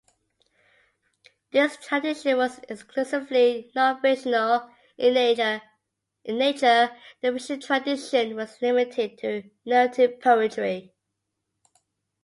This tradition was exclusively nonfictional in nature-the fiction tradition was limited to narrative poetry.